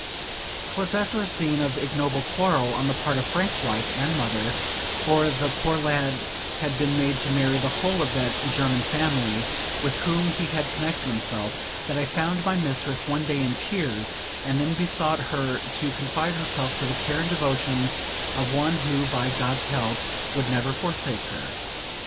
'Twas after a scene of ignoble quarrel on the part of Frank's wife and mother (for the poor lad had been made to marry the whole of that German family with whom he had connected himself), that I found my mistress one day in tears, and then besought her to confide herself to the care and devotion of one who, by God's help, would never forsake her.